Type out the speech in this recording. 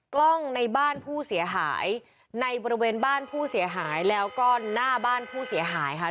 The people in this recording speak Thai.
กล้องในบ้านผู้เสียหายในบริเวณบ้านผู้เสียหายแล้วก็หน้าบ้านผู้เสียหายค่ะ